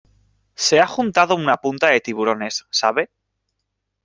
se ha juntado una punta de tiburones, ¿ sabe?